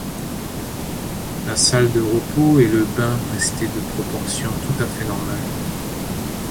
La salle de repos et le bain restaient de proportions tout à fait normales.